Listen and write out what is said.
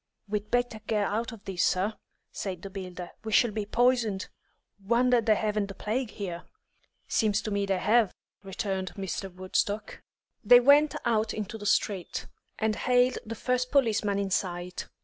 "We'd better get out of this, sir," said the builder. "We shall be poisoned. Wonder they haven't the plague here." "Seems to me they have," returned Mr. Woodstock. They went out into the street, and hailed the first policeman in sight.